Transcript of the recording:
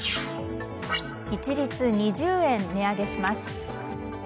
一律２０円、値上げします。